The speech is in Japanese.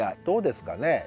どうですかね。